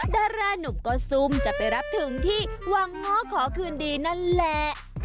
ดารานุ่มก็ซุ่มจะไปรับถึงที่วังง้อขอคืนดีนั่นแหละ